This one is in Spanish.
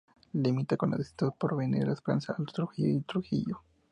Limita con los distritos de El Porvenir, La Esperanza, Alto Trujillo y Trujillo.